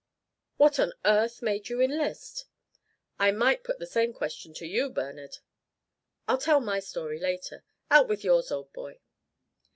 "What on earth made you enlist?" "I might put the same question to you, Bernard?" "I'll tell you my story later. Out with yours, old boy."